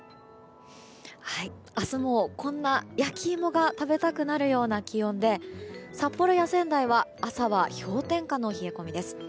明日も、こんな焼き芋が食べたくなるような気温で札幌や仙台は朝は氷点下の冷え込みです。